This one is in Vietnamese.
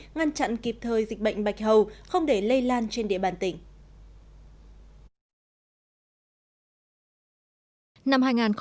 ngăn chặn kịp thời dịch bệnh bạch hầu không để lây lan trên địa bàn tỉnh